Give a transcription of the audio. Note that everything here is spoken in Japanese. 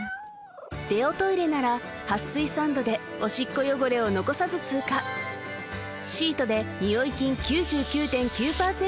デオトイレなら撥水サンドでオシッコ汚れを残さず通過シートでニオイ菌９９．９％